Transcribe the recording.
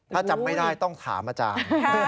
ถ้าจำไม่ได้ต้องถามอาจารย์